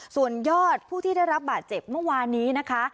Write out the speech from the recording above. ส่วนยอดผู้ที่ได้รับบาดเจ็บเมื่อวานนี้นะคะ